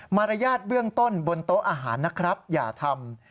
มารยาทเบื้องต้นบนโต๊ะอาหารนะครับอย่าทำ